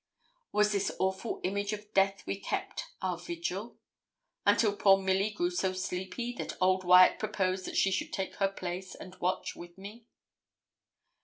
With this awful image of death we kept our vigil, until poor Milly grew so sleepy that old Wyat proposed that she should take her place and watch with me.